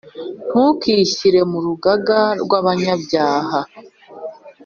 Ntukishyire mu rugaga rw’abanyabyaha,